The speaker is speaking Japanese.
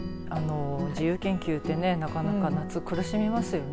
自由研究ってねなかなか夏、苦しみますよね。